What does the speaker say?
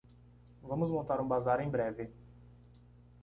Vamos montar um bazar em breve